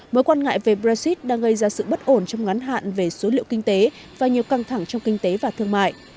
mối quan ngại về brexit đang gây ra sự bất ổn trong ngắn hạn về số liệu kinh tế và nhiều căng thẳng trong kinh tế và thương mại